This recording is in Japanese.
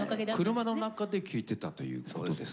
車の中で聴いてたということですか？